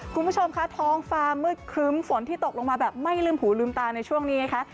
คุณผู้ชมคะท้องฟ้ามืดครึ้มฝนที่ตกลงมาแบบไม่ลืมหูลืมตาในช่วงนี้ไงคะ